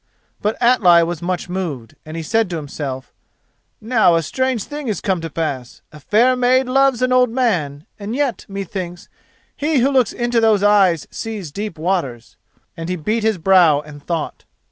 But Atli was much moved, and he said to himself: "Now a strange thing is come to pass: a fair maid loves an old man; and yet, methinks, he who looks into those eyes sees deep waters," and he beat his brow and thought.